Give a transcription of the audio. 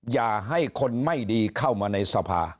อย่าให้คนไม่ดีเข้ามาในสภา